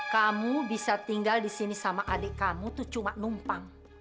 kamu bisa tinggal di sini sama adik kamu itu cuma numpang